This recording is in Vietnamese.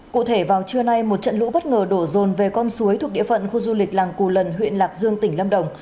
cụ thể vào trưa nay một trận lũ bất ngờ đổ rồn về con suối thuộc địa phận khu du lịch làng cù lần huyện lạc dương tỉnh lâm đồng